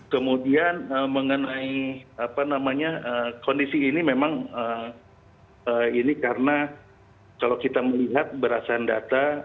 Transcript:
kemudian mengenai kondisi ini memang ini karena kalau kita melihat berdasarkan data